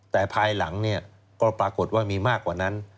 แต่ภายหลังเนี่ยก็ปรากฏว่ามีมากกว่านั้น